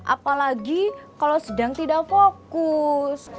apalagi kalau sedang tidak fokus